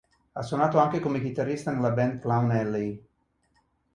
Ha suonato anche come chitarrista nella band Clown Alley.